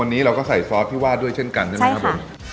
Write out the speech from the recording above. วันนี้เราก็ใส่ซอสที่วาดด้วยเช่นกันใช่ไหมครับผม